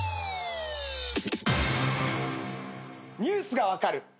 ニュースが分かる！